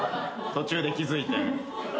途中で気付いて。